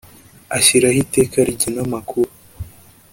Ashyiraho iteka rigena amakuru